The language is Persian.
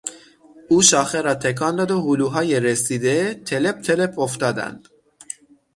او شاخه را تکان داد و هلوهای رسیده، تلپ تلپ افتادند.